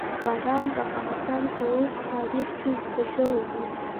باران د افغانستان په اوږده تاریخ کې ذکر شوی دی.